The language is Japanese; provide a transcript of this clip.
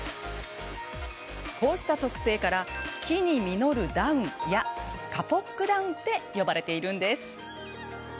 こうした特性から木に実るダウンやカポックダウンって呼ばれているんです。